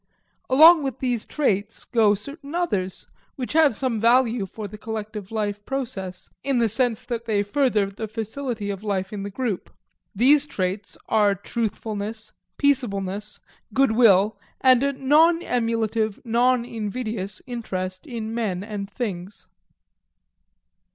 Along with these traits go certain others which have some value for the collective life process, in the sense that they further the facility of life in the group. These traits are truthfulness, peaceableness, good will, and a non emulative, non invidious interest in men and things.